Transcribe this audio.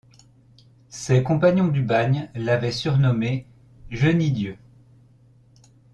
Ses compagnons du bagne l’avaient surnommé Je-nie-Dieu.